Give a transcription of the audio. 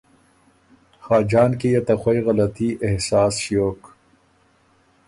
خاجان کی يې ته خوئ غلطي احساس ݭیوک